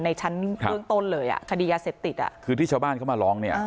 ในชั้นเบื้องต้นเลยอ่ะคดียาเสพติดอ่ะคือที่ชาวบ้านเขามาร้องเนี่ย